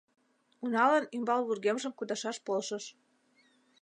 Уналан ӱмбал вургемжым кудашаш полшыш.